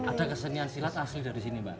ada kesenian silat asli dari sini mbak